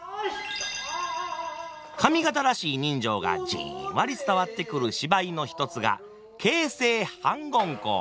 上方らしい人情がじんわり伝わってくる芝居の一つが「傾城反魂香」。